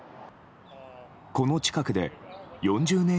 この近くで４０年